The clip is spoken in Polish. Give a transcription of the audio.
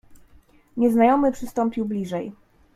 "Nieznajomy przystąpił bliżej."